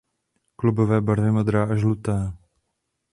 Klubové barvy modrá a žlutá.